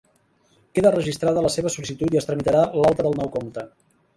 Queda registrada la seva sol·licitud i es tramitarà l'alta del nou compte.